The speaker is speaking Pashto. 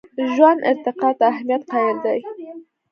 ژوند ارتقا ته اهمیت قایل دی.